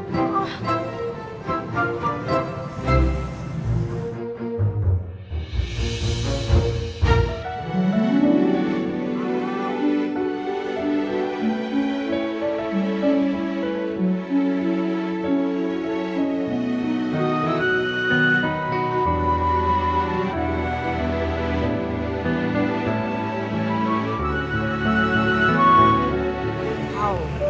lo yang tau